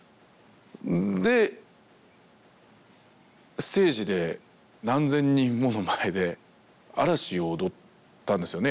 でステージで何千人もの前で「Ａ・ＲＡ・ＳＨＩ」を踊ったんですよね